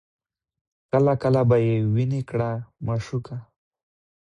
کله کله به یې ویني کړه مشوکه